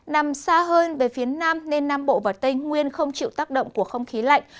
nằm xa hơn về phía nam nên nam bộ và tây nguyên không chịu tác động của không khí lạnh